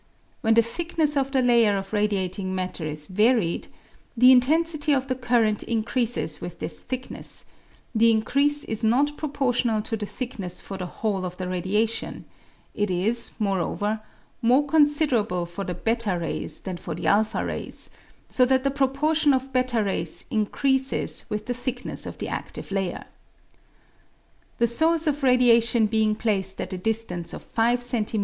When the thick ness of the layer of radiating matter is varied, the intensity of the current increases with this thickness ; the increase is not proportional to the thickness for the whole of the radiation ; it is, moreover, more considerable for the /3 rays than for the a rays, so that the proportion of |3 rays increases with the thickness of the acftive layer. The source of radiation being placed at a distance of 5 cm.